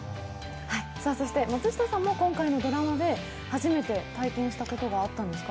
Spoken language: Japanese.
松下さんも今回のドラマで初めて体験したことがあったんですか？